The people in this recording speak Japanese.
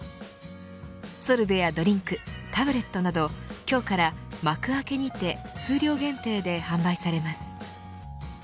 ソルベやドリンクタブレットなど今日からＭａｋｕａｋｅにて数量限定で販売されます。